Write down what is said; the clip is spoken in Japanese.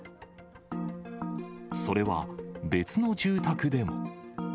それは、別の住宅でも。